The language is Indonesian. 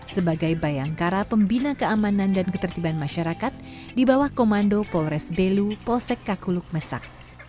sebagai bayangkara pembina keamanan dan ketertiban masyarakat di bawah komando polres belu polsek kakuluk mesak